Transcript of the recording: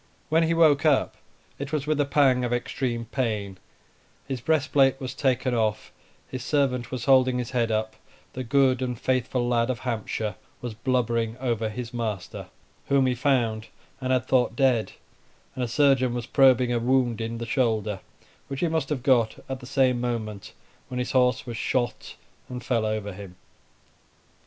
When he woke up, it was with a pang of extreme pain, his breastplate was taken off, his servant was holding his head up, the good and faithful lad of Hampshire* was blubbering over his master, whom he found and had thought dead, and a surgeon was probing a wound in the shoulder, which he must have got at the same moment when his horse was shot and fell over him.